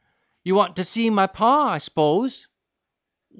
"You want to see my Pa, I s'pose?"